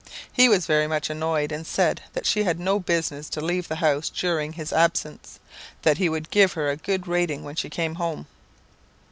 "He was very much annoyed, and said that she had no business to leave the house during his absence, that he would give her a good rating when she came home.